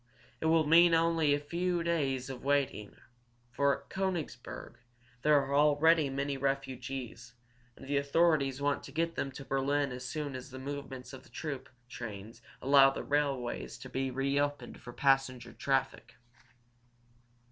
It will mean only a few days of waiting, for at Koenigsberg there are already many refugees, and the authorities want to get them to Berlin as soon as the movements of troop trains allow the railway to be reopened for passenger traffic."